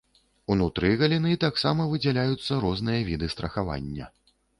Унутры галіны таксама выдзяляюцца розныя віды страхавання.